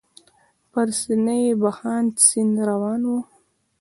پر سینه یې بهاند سیند روان و.